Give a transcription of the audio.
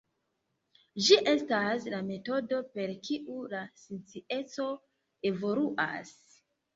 Ĝi estas la metodo per kiu la scienco evoluas.